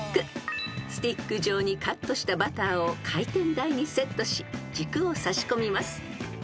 ［スティック状にカットしたバターを回転台にセットし軸を差し込みます］